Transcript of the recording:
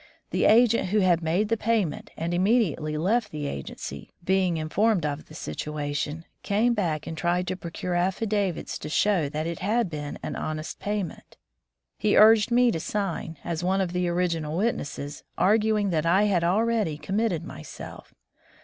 The agent who had made the payment and immediately left the agency, being informed of the situa tion, came back and tried to procure affidavits U9 From the Deep Woods to Civilization to show that it had been an honest payment. He urged me to sign, as one of the original witnesses, arguing that I had already com mitted myself.